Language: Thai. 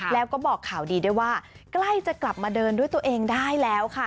แล้วก็บอกข่าวดีด้วยว่าใกล้จะกลับมาเดินด้วยตัวเองได้แล้วค่ะ